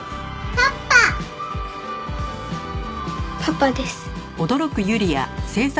パパです。